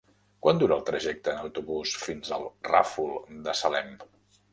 Quant dura el trajecte en autobús fins al Ràfol de Salem?